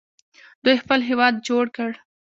دوی خپل هیواد جوړ کړ.